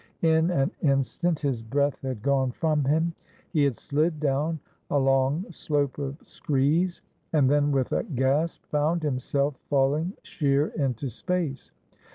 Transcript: In an instant his breath had gone from him. He had slid down a long slope of screes, and then with a gasp found himself falling sheer into space.